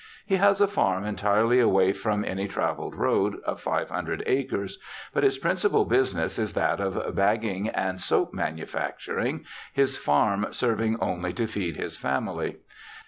He has a farm, entirely away from any travelled road, of 500 acres ; but his principal busi ness is that of bagging and soap manufacturing, his farm serving only to feed his family.